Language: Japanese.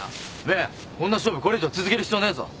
メイこんな勝負これ以上続ける必要ねえぞ。